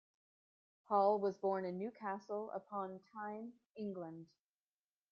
Hall was born in Newcastle upon Tyne, England.